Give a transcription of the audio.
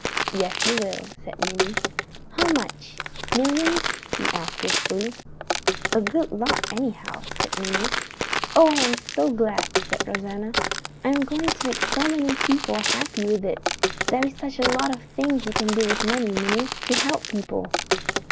"Yes, you will," said Minnie. "How much; millions?" wistfully. "A good lot anyhow," said Minnie. "Oh, I am so glad!" said Rosanna. "I am going to make so many people happy with it. There is such a lot of things you can do with money, Minnie, to help people.